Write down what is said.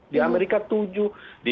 di amerika tujuh